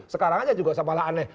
sekarang aja juga saya malah aneh